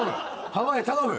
濱家頼む！